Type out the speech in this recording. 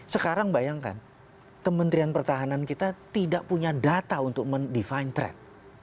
sekarang bayangkan kementerian pertahanan kita tidak punya data untuk men define track